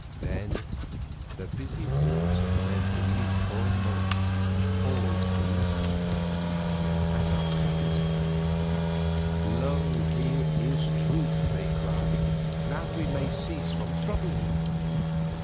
Then the busy hordes of men beneath for a moment pause to listen and are satisfied. "Lo, here is Truth," they cry, "now we may cease from troubling."